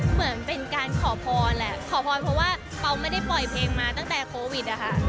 เหมือนเป็นการขอพรแหละขอพรเพราะว่าเปล่าไม่ได้ปล่อยเพลงมาตั้งแต่โควิดอะค่ะ